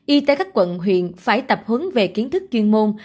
y tế các quận huyện phải tập hướng về kiến thức chuyên môn